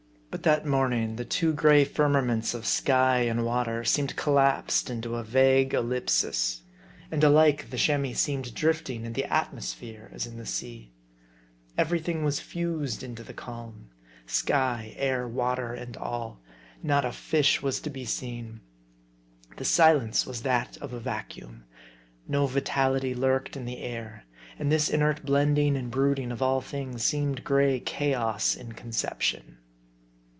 But that morning, the two gray firmaments of sky and water seemed collapsed into a vague ellipsis. And alike, the Chamois seemed drifting in the atmosphere as in the sea. Every thing was fused into the calm : sky, air, water, and all. Not a fish was to be seen. The silence was that of a vacuum. No vitality lurked in the air. And this inert blending and brooding of all things seemed gray chaos in conception.